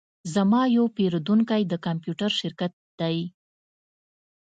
زما یو پیرودونکی د کمپیوټر شرکت دی